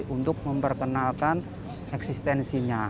untuk memperkenalkan eksistensinya